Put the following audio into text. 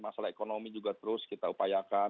masalah ekonomi juga terus kita upayakan